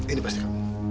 ini pasti kamu